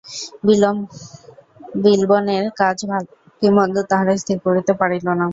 বিল্বনের কাজ ভালো কি মন্দ তাহারা স্থির করিতে পারিল না।